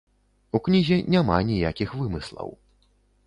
У кнізе няма ніякіх вымыслаў.